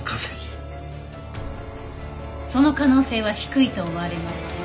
その可能性は低いと思われます。